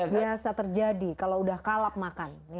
biasa terjadi kalau udah kalap makan